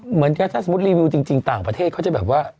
เหมือนกับถ้าสมมุติรีวิวจริงต่างประเทศเขาจะแบบว่า